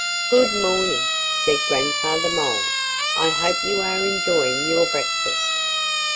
"Good morning!" said Grandfather Mole. "I hope you are enjoying your breakfast."